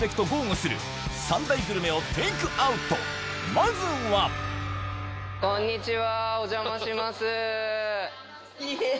まずはこんにちはお邪魔します。